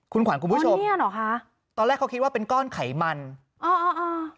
คุณขวัญคุณผู้ชมตอนแรกเขาคิดว่าเป็นก้อนไขมันคุณขวัญคุณผู้ชมอ๋อเนี่ยเหรอคะ